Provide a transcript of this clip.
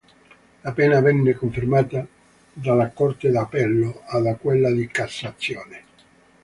La pena venne confermata dalla Corte d’Appello e da quella di Cassazione.